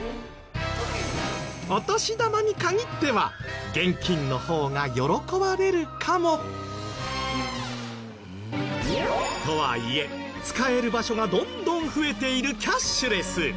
お年玉に限っては現金の方が喜ばれるかも。とはいえ使える場所がどんどん増えているキャッシュレス。